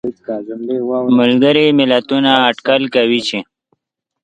ملګري ملتونه اټکل کوي چې